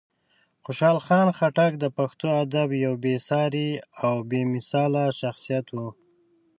خوشحال خان خټک د پښتو ادب یو بېساری او بېمثاله شخصیت و.